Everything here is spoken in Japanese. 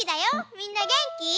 みんなげんき？